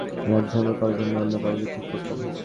আমি আত্মসমর্পণ করার জন্য অন্য কাউকে ঠিক করতাম।